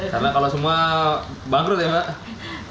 karena kalau semua bangkrut ya mbak